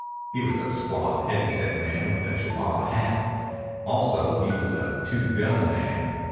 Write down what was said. He was a squat, heavy set man with a Chihuahua hat. Also he was a two gun man.